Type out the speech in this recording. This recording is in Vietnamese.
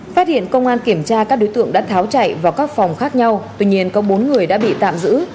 phát hiện công an kiểm tra các đối tượng đã tháo chạy vào các phòng khác nhau tuy nhiên có bốn người đã bị tạm giữ